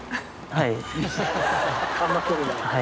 はい。